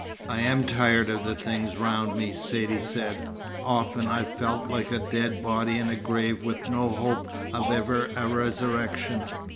"I am tired of the things around me," Saidee said. "Often I've felt like a dead body in a grave with no hope of even a resurrection.